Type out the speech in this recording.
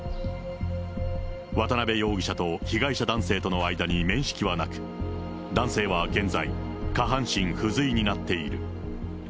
渡辺容疑者と被害者男性との間に面識はなく、男性は現在、下半身不随になっている。